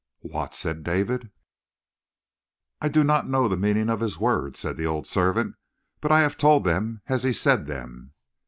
'" "What?" said David. "I do not know the meaning of his words," said the old servant, "but I have told them as he said them."